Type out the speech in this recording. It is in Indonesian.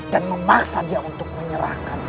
dan memaksa dia untuk menyerahkan